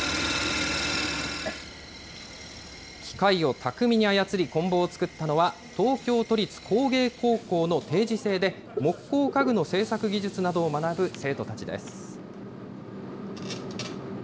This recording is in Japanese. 機械を巧みに操り、こん棒を作ったのは東京都立工芸高校の定時制で、木工家具の製作技術などを学ぶ生徒たちです。